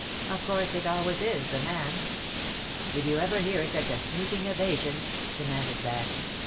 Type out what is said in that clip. Of course it always is the man." '*^Did you ever hear such a sneaking evasion?" demanded Jack.